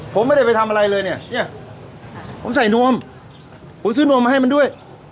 ผมไม่ได้ไปทำอะไรเลยเนี่ยผมใส่นวมผมซื้อนวมมาให้มันด้วย